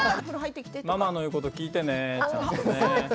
ママの言うこと聞いてね。